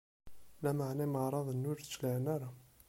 Lameɛna imeɛraḍen-nni ur d-cliɛen ara.